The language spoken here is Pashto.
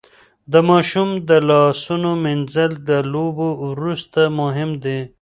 د ماشوم د لاسونو مينځل د لوبو وروسته مهم دي.